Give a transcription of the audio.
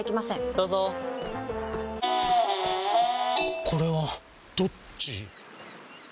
どうぞこれはどっち？